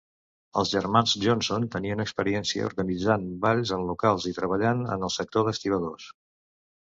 Els germans Johnson tenien experiència organitzant balls en locals i treballant en el sector d'estibadors.